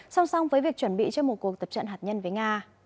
song song với việc chuẩn bị cho một cuộc tập trận hạt nhân với nga